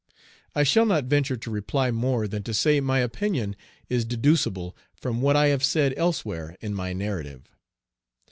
I shall not venture to reply more than to say my opinion is deducible from what I have said elsewhere in my narrative.